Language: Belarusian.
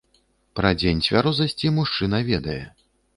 Пра дзень цвярозасці мужчына ведае.